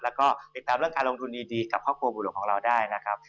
แล้วก็ติดตามเรื่องการลงทุนดีกับครอบครัวบุหลวงของเราได้นะครับ